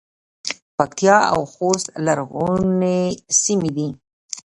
پکتیا او خوست لرغونې سیمې دي